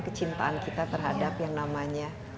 kecintaan kita terhadap yang namanya